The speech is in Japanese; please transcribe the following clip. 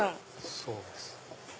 そうです。